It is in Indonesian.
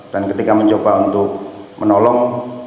dan ketika mencoba untuk menolong